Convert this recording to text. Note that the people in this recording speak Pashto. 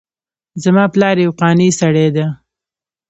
زما پلار یو قانع سړی ده